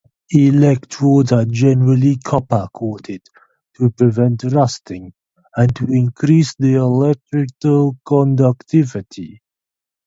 Electrodes are generally copper coated to prevent rusting and to increase their electrical conductivity.